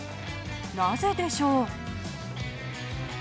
なぜでしょう？